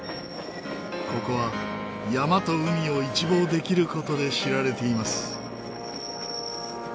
ここは山と海を一望できる事で知られています。